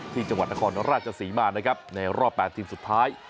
ที่จังหวัดนครราชศรีมานะครับในรอบ๘ทีมสุดท้าย